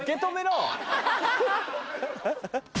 ハハハ！